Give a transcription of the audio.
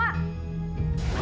mak aku malu